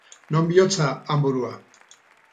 Non bihotza, han burua